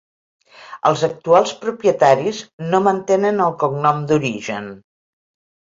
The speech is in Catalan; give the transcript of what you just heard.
Els actuals propietaris no mantenen el cognom d'origen.